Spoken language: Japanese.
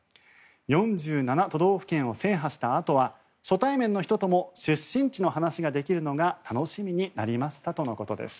４７都道府県を制覇したあとは初対面の人とも出身地の話ができるのが楽しみになりましたとのことです。